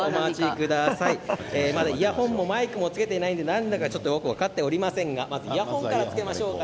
イヤホンもマイクもつけておりませんのでよく分かりませんがまずイヤホンからつけましょうか。